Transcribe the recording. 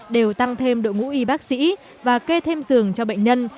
đều tăng thêm đội ngũ y bác sĩ và kê thêm giường cho bệnh nhân